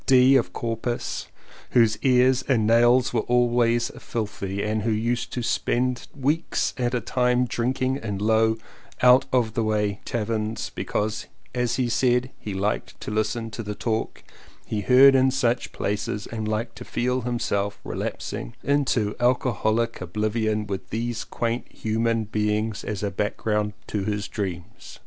D. of Corpus, whose ears and nails were always filthy and who used to spend weeks at a time drinking in low out of the way taverns because as he said he liked to listen to the talk he heard in such places and liked to feel himself relapsing 189 CONFESSIONS OF TWO BROTHERS into alcoholic oblivion with these quaint human beings as a background to his dreams.